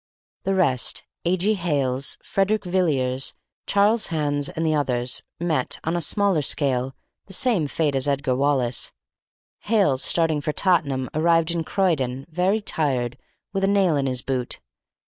The rest A. G. Hales, Frederick Villiers, Charles Hands, and the others met, on a smaller scale, the same fate as Edgar Wallace. Hales, starting for Tottenham, arrived in Croydon, very tired, with a nail in his boot.